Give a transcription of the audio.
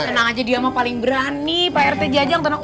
tenang aja dia sama paling berani pak r t jajang tenang